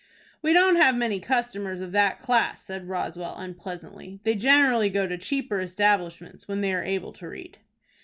"We don't have many customers of that class," said Roswell, unpleasantly. "They generally go to cheaper establishments, when they are able to read."